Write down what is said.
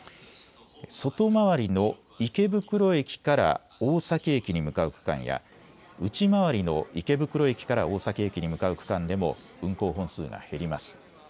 外回りの池袋駅から大崎駅に向かう区間や内回りの池袋駅から大崎駅に向かう区間でも運行本数が減ります。